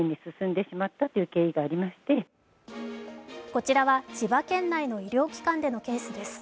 こちらは千葉県内の医療機関でのケースです。